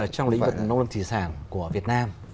trong lĩnh vực nông lâm thủy sản của việt nam